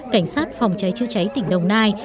cảnh sát phòng cháy chữa cháy tỉnh đồng nai